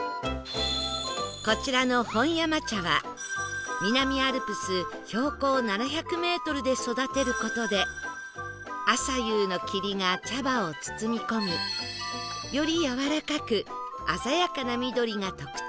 こちらの本山茶は南アルプス標高７００メートルで育てる事で朝夕の霧が茶葉を包み込みよりやわらかく鮮やかな緑が特徴